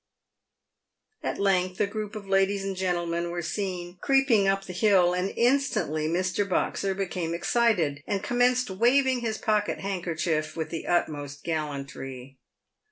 At length a group of ladies and gentlemen were seen creeping up the hill, and instantly Mr. Boxer became excited, and commenced waving his pocket handkerchief with the utmost gallantry.